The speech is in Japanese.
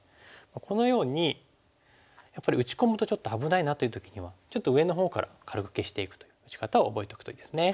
このようにやっぱり打ち込むとちょっと危ないなっていう時にはちょっと上のほうから軽く消していくという打ち方を覚えておくといいですね。